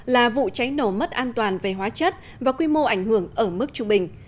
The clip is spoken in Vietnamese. là vụ cháy nổ mất an toàn về hóa chất và quy mô ảnh hưởng ở mức trung bình